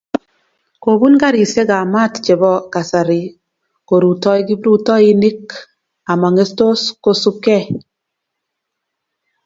Kobun garisyekab maat chebo kasari korutoi kiprutoinik ama ng'etos kosupgei